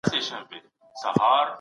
کوم دلایل چي وړاندي شول ټول منلي وو.